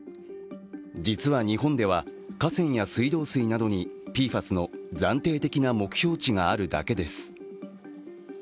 実は日本では、河川や水道水などにＰＦＡＳの暫定的な目標値があるだけです。